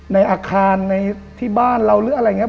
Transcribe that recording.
ในอาคารในที่บ้านเราหรืออะไรอย่างนี้